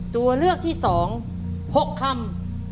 ตัวเลือกที่๒๖คำ